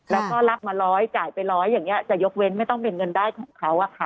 แล้วก็รับมาร้อยจ่ายไปร้อยอย่างนี้จะยกเว้นไม่ต้องเป็นเงินได้ของเขาอะค่ะ